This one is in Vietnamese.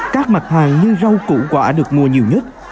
các mặt hàng như rau củ quả được mua nhiều nhất